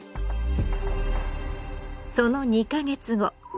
その２か月後。